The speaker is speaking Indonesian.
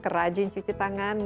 kerajin cuci tangan